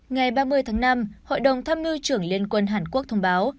ngày ba mươi tháng năm hội đồng tham mưu trưởng liên quân hàn quốc thông báo